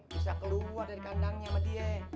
bisa keluar dari kandangnya sama dia